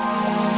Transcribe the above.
ya udah om baik